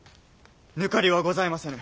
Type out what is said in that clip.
抜かりはございませぬ！